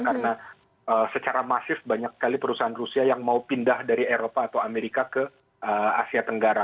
karena secara masif banyak kali perusahaan rusia yang mau pindah dari eropa atau amerika ke asia tenggara